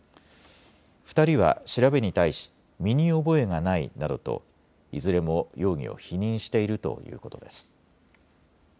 ２人は調べに対し身に覚えがないなどといずれも容疑を否認しているということです。